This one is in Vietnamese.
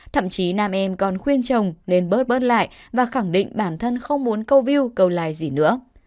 thậm chí nam em còn khuyên chồng nên bớt lại và khẳng định bản thân không muốn câu view câu like gì nữa